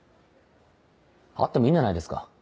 あってもいいんじゃないですか